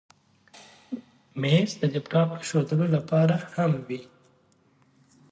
مېز د لپټاپ ایښودلو لپاره هم وي.